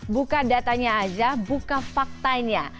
buka datanya aja buka faktanya